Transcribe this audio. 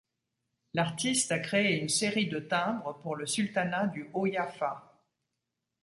L'artiste a créé une série de timbres pour le Sultanat du Haut Yafa.